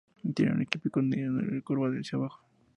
Tiene un pico negro largo y curvado hacia abajo.